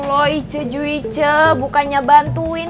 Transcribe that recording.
kalian sebuah sgs bail pronunciation